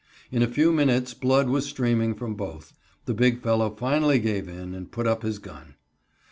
In a few minutes blood was streaming from both. The big fellow finally gave in and put up his gun.